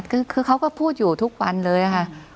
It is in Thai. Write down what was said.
คือเขาก็พูดอยู่ทุกวันเลยนะคะ